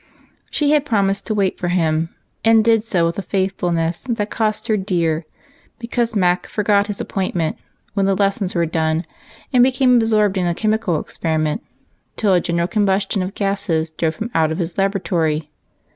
She had promised to wait for him, and did so with a faithfulness that cost her dear, because Mac forgot his appointment when the lessons were done, and became absorbed in a chemical experiment, till a general com bustion of gases drove him out of his laboratory.